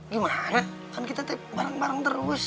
gimana kan kita bareng bareng terus